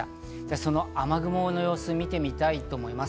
その雨雲の様子を見てみたいと思います。